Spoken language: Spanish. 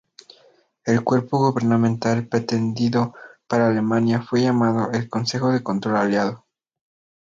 El cuerpo gubernamental pretendido para Alemania fue llamado el Consejo de Control Aliado.